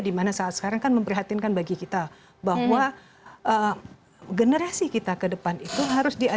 dimana saat sekarang kan memprihatinkan bagi kita bahwa generasi kita ke depan itu harus diajarkan